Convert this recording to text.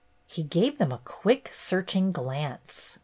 He gave them a quick, searching glance.